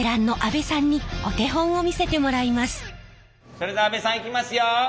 それでは阿部さんいきますよ。